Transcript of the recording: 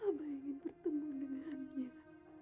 hamba ingin bertemu dengannya